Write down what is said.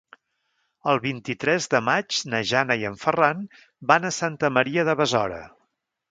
El vint-i-tres de maig na Jana i en Ferran van a Santa Maria de Besora.